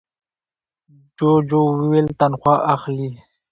جوجو وویل تنخوا اخلې؟